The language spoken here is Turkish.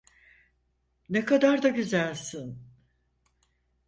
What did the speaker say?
Ne kadar da güzelsin.